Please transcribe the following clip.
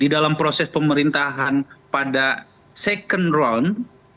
di dalam proses pemerintahan pada second round